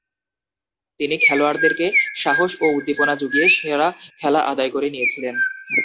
তিনি খেলোয়াড়দেরকে সাহস ও উদ্দীপনা যুগিয়ে সেরা খেলা আদায় করে নিয়েছিলেন।